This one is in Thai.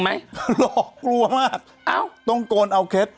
หลอกกลัวมากต้องโกนเอาเคส